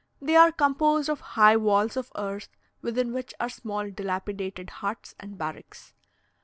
They are composed of high walls of earth, within which are small dilapidated huts and barracks.